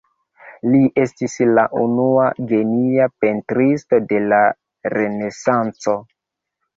Li estis la unua genia pentristo de la Renesanco.